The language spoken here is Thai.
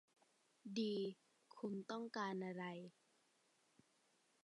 ดี คุณต้องการอะไร